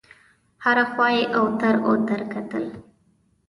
هره خوا یې اوتر اوتر کتل.